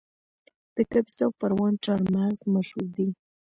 د کاپیسا او پروان چهارمغز مشهور دي